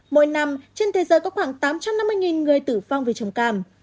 mỗi năm trên thế giới có khoảng tám trăm năm mươi người tử vong vì trầm cảm